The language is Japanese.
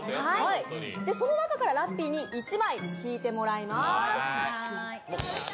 その中からラッピーに１枚引いてもらいます。